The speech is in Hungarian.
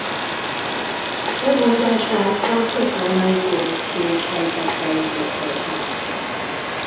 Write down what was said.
Lemondását az ukrajnai korrupciós helyzettel indokolta.